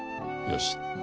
よし。